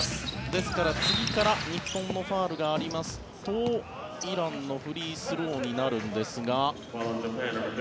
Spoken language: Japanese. ですから次から日本のファウルがありますとイランのフリースローになるんですが。